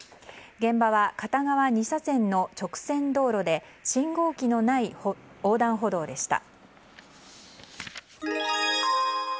現場は片側２車線の直線道路で信号機のない横断歩道でした。